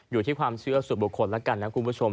อยู่ที่ความเชื่อส่วนบุคคลแล้วกันนะคุณผู้ชม